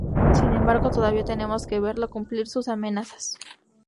Sin embargo, todavía tenemos que verlo cumplir sus amenazas".